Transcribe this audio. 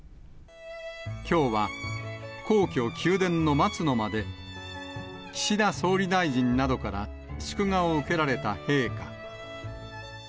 きょうは、皇居・宮殿の松の間で、岸田総理大臣などから祝賀を受けられた陛下。